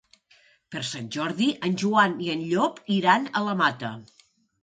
Per Sant Jordi en Joan i en Llop iran a la Mata.